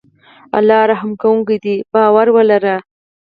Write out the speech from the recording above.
الله رحم کوونکی دی باور ولری